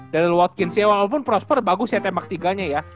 daryl watkins ya walaupun prosper bagus ya tembak tiganya ya